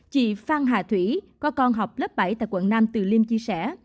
chị phan hà thủy có con học lớp bảy tại quận năm từ liêm chia sẻ